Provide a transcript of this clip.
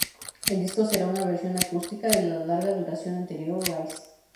El disco será una versión acústica de los de larga duración anterior, Rise.